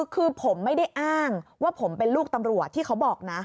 คือผมไม่ได้อ้างว่าผมเป็นลูกตำรวจที่เขาบอกนะ